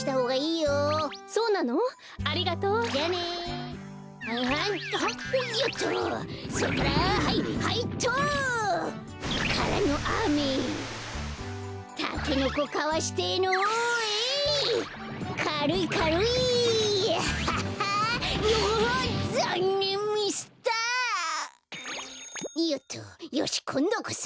よしこんどこそ！